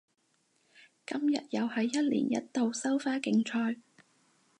今日又係一年一度收花競賽